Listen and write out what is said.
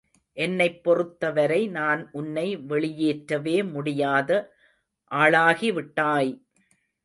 என்னைப் பொறுத்தவரை, நான் உன்னை வெளியேற்றவே முடியாத ஆளாகிவிட்டாய்!